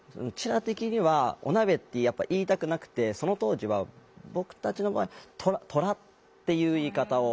ら的にはオナベってやっぱ言いたくなくてその当時は僕たちの場合トラっていう言い方を。